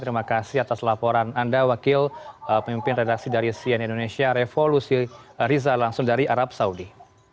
terima kasih atas laporan anda wakil pemimpin redaksi dari cnn indonesia revolusi riza langsung dari arab saudi